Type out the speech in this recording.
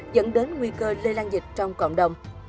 dẫn đến nguy cơ lây lan dịch trong cộng đồng